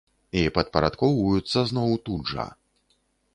І падпарадкоўваюцца зноў, тут жа.